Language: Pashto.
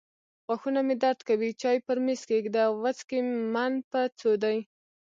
غاښونه مې درد کوي. چای پر مېز کښېږده. وڅکې من په څو دي.